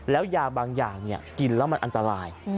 แล้วยาบางอย่างกินแล้วมันอันตราย